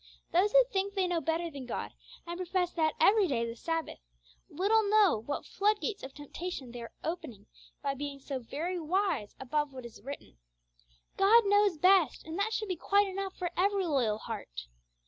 Those who think they know better than God, and profess that every day is a Sabbath, little know what floodgates of temptation they are opening by being so very wise above what is written. God knows best, and that should be quite enough for every loyal heart.